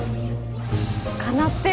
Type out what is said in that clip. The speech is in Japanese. かなってる！